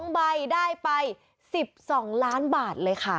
๕๒๙๙๒๔๒ใบได้ไป๑๒ล้านบาทเลยค่ะ